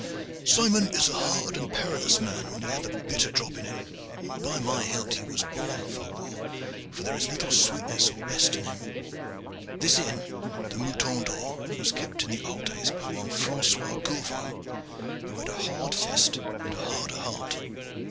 "Simon is a hard and perilous man when he hath the bitter drop in him; and, by my hilt! he was born for war, for there is little sweetness or rest in him. This inn, the 'Mouton d'Or,' was kept in the old days by one Francois Gourval, who had a hard fist and a harder heart.